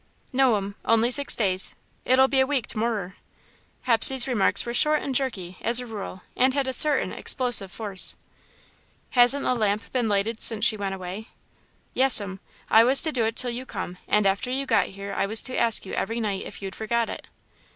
"No'm. Only six days. It'll be a week to morrer." Hepsey's remarks were short and jerky, as a rule, and had a certain explosive force. "Hasn't the lamp been lighted since she went away?" "Yes'm. I was to do it till you come, and after you got here I was to ask you every night if you'd forgot it."